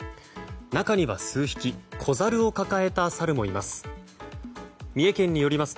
中には数匹子ザルを抱えたサルもいます。